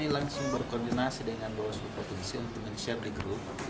langsung berkoordinasi dengan bawaslu provinsi untuk men share di grup